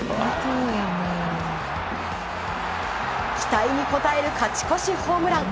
期待に応える勝ち越しホームラン。